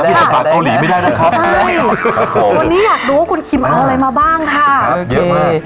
ไม่ได้นะครับวันนี้อยากดูว่าคุณคิมเอาอะไรมาบ้างค่ะครับเยอะมาก